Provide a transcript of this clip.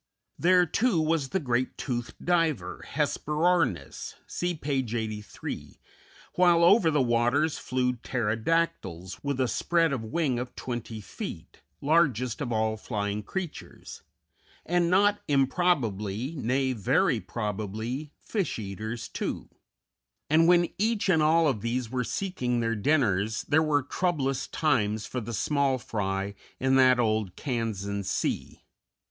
] There, too, was the great, toothed diver, Hesperornis (see page 83), while over the waters flew pterodactyls, with a spread of wing of twenty feet, largest of all flying creatures; and, not improbably nay, very probably fish eaters, too; and when each and all of these were seeking their dinners, there were troublous times for the small fry in that old Kansan sea.